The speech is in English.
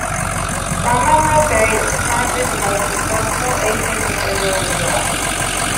Rahman Rezaei is currently the most successful Asian defender in Europe.